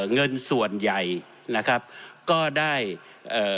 เงินส่วนใหญ่นะครับก็ได้เอ่อ